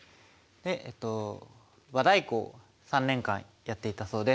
えっと和太鼓を３年間やっていたそうです。